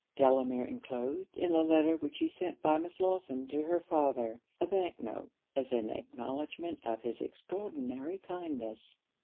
Delamere enclosed, in a letter which he sent by Miss Lawson to her father, a bank note, as an acknowledgment of his extraordinary kindness.